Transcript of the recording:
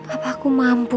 apa aku mampu